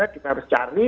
kita harus cari